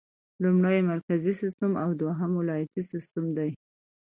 لومړی مرکزي سیسټم او دوهم ولایتي سیسټم دی.